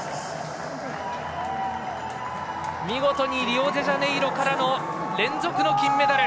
見事にリオデジャネイロからの連続の金メダル。